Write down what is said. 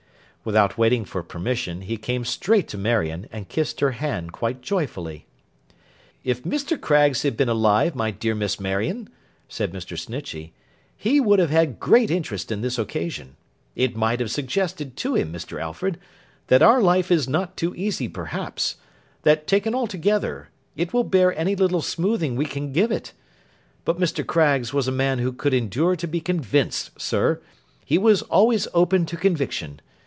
Without waiting for permission, he came straight to Marion, and kissed her hand, quite joyfully. 'If Mr. Craggs had been alive, my dear Miss Marion,' said Mr. Snitchey, 'he would have had great interest in this occasion. It might have suggested to him, Mr. Alfred, that our life is not too easy perhaps: that, taken altogether, it will bear any little smoothing we can give it; but Mr. Craggs was a man who could endure to be convinced, sir. He was always open to conviction.